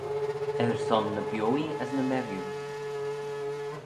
Er son ny bioee as ny merriu.